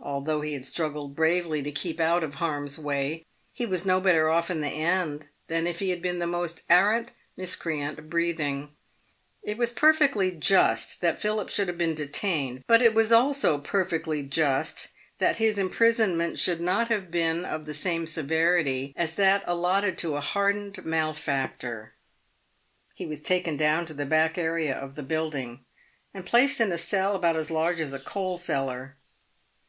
Although he had struggled bravely to keep out of harm's way, he was no better off in the end than if he had been the most arrant miscreant breathing. It was perfectly just that Philip should have been detained, but it was also perfectly just that his imprisonment should not have been of the same severity as that allotted to a hardened malefactor. He was taken down to the back area of the building, and placed in a cell about as large as a coal cellar.